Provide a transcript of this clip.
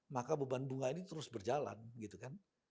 maka beban bunga ini terus berjalan gitu kan